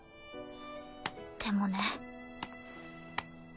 でもね。